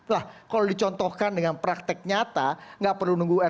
lah kalau dicontohkan dengan praktek nyata nggak perlu nunggu